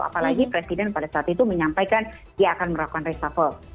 apalagi presiden pada saat itu menyampaikan dia akan melakukan reshuffle